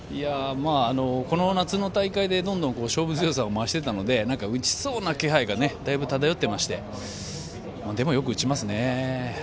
この夏の大会でどんどん勝負強さを増してたので打ちそうな気配がだいぶ漂ってましてでも、よく打ちますね。